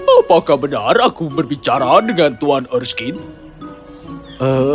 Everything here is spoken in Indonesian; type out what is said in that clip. apakah benar aku berbicara dengan tuan erskin